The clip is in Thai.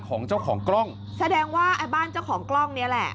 ของเจ้าของกล้องแสดงว่าไอ้บ้านเจ้าของกล้องเนี้ยแหละ